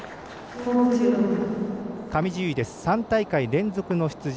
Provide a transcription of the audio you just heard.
上地結衣は３大会連続の出場。